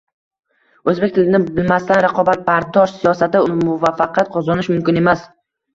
O'zbek tilini bilmasdan raqobatbardosh siyosatda muvaffaqiyat qozonish mumkin emas